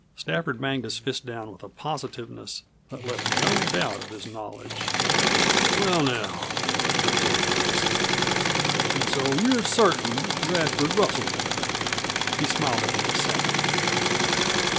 Stafford banged his fist down with a positiveness that left no doubt of his knowledge. "Well, now," observed Ferguson, "an' so you're certain Radford rustled them." He smiled again saturninely.